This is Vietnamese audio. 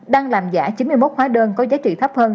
đang làm giả chín mươi một hóa đơn có giá trị thấp hơn